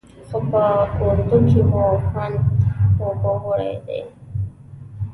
خو په اردو کې مو خوند اوبو وړی دی.